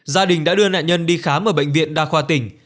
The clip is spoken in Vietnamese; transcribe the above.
gia đình đã đưa nạn nhân đi khám ở bệnh viện đa khoa tỉnh